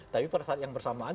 tapi pada saat yang bersamaan